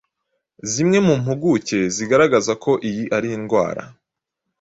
Zimwe mu mpuguke zigaragaza ko iyi ari indwara